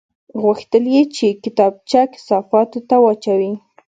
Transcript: غوښتل یې چې کتابچه کثافاتو ته واچوي